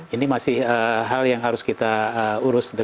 ini masih hal yang harus kita urus